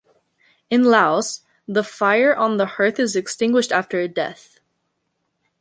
In Laos, the fire on the hearth is extinguished after a death.